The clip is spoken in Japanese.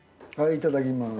いただきます。